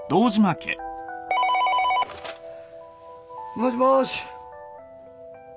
もしもーし。